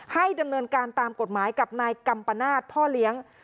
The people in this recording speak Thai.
ให้ดำเนินการตามกฎหมายกับนายกัมปนาศพ่อเลี้ยง